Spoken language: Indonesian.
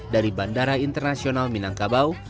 dari bandara internasional minangkabau